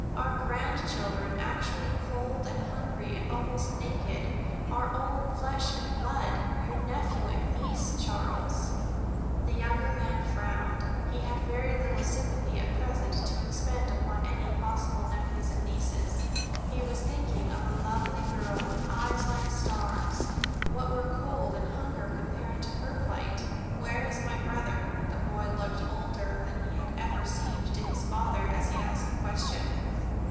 Our grandchildren actually cold and hungry and almost naked—our own flesh and blood! Your nephew and niece, Charles." The younger man frowned. He had very little sympathy at present to expend upon any possible nephews and nieces. He was thinking of a lovely girl with eyes like stars. What were cold and hunger compared to her plight? "Where is my brother?" The boy looked older than he had ever seemed to his father as he asked the question.